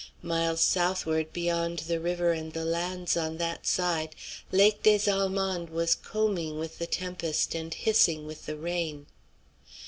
Miles southward beyond the river and the lands on that side, Lake des Allemands was combing with the tempest and hissing with the rain.